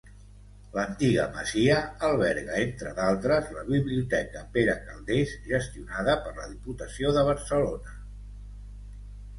L'antiga masia alberga, entre d'altres, la biblioteca Pere Calders, gestionada per la Diputació de Barcelona.